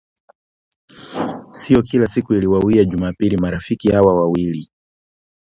Sio kila siku iliwawia Jumapili marafiki hawa wawili,